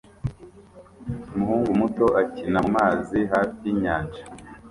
Umuhungu muto akina mumazi hafi yinyanja